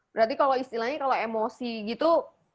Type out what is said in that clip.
berarti kalau istilahnya kalau emosi gitu wah bisa ya